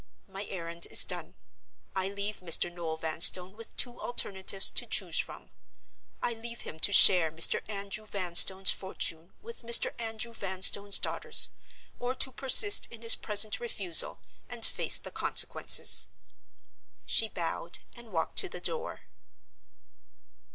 My errand is done. I leave Mr. Noel Vanstone with two alternatives to choose from. I leave him to share Mr. Andrew Vanstone's fortune with Mr. Andrew Vanstone's daughters—or to persist in his present refusal and face the consequences." She bowed, and walked to the door.